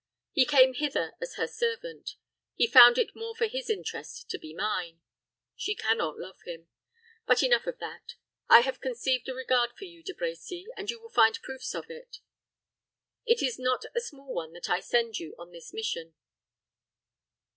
He came hither as her servant. He found it more for his interest to be mine. She can not love him. But enough of that. I have conceived a regard for you, De Brecy, and you will find proofs of it. It is not a small one that I send you on this mission.